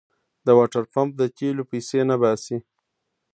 د واټرپمپ د تېلو پيسې نه باسي.